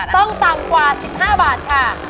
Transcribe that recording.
ต้องต่ำกว่า๑๕บาทค่ะ